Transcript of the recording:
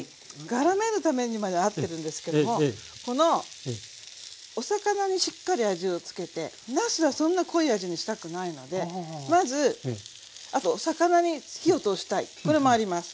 がらめるためにまでは合ってるんですけどもこのお魚にしっかり味をつけてなすはそんな濃い味にしたくないのでまずあと魚に火を通したいこれもあります。